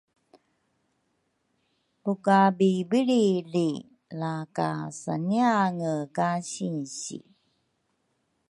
lu kabibilrili laka saniange ka sinsi